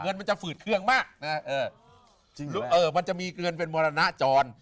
เงินมันจะฝืดเครื่องมากมันจะมีเกลือนเป็นมรณจร